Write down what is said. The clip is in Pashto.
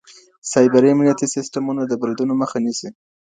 سایبري امنیتي سیسټمونه د بریدونو مخه نیسي.